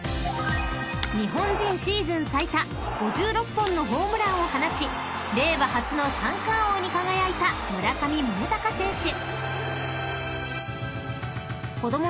［日本人シーズン最多５６本のホームランを放ち令和初の三冠王に輝いた村上宗隆選手］